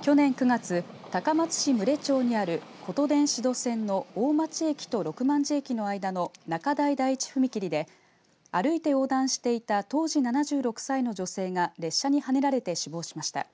去年９月、高松市牟礼町にあることでん志度線の大町駅と六万寺駅の間の仲代第一踏切で歩いて横断していた当時７６歳の女性が列車にはねられて死亡しました。